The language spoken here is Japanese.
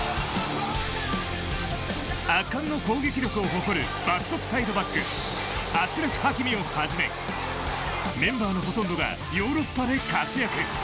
圧巻の攻撃力を誇る爆速サイドバックアシュラフ・ハキミをはじめメンバーのほとんどがヨーロッパで活躍。